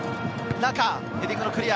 ヘディングでクリア。